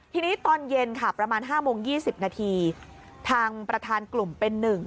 ทีนี้ตอนเย็นค่ะประมาณ๕โมง๒๐นาทีทางประธานกลุ่มเป็น๑